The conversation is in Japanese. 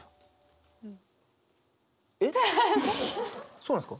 そうなんすか？